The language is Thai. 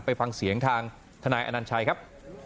ไปฟังเสียงทางทนายอนัญชัยครับ